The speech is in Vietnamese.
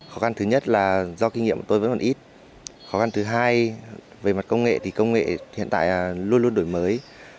khó khăn thứ nhất là do kinh nghiệm của tôi vẫn còn ít khó khăn thứ hai về mặt công nghệ thì công nghệ hiện tại luôn luôn đổi mới